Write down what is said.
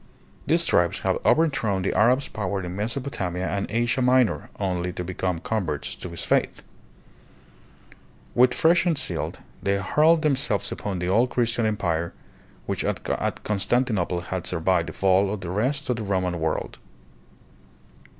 These tribes had overthrown the Arab's power in Mesopotamia and Asia Minor only to become converts to his faith. With freshened zeal they 48 THE PHILIPPINES. hurled themselves upon the old Christian empire, which at Constantinople had survived the fall of the rest of the Roman world.